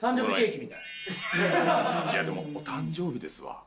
いやでもお誕生日ですわ。